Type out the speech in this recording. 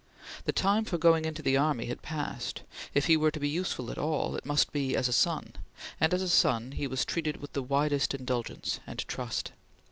The time for going into the army had passed. If he were to be useful at all, it must be as a son, and as a son he was treated with the widest indulgence and trust.